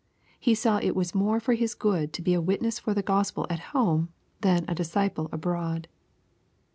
He saw it was more for his good to be a witness for the Gbspel at home than a disciple abroad.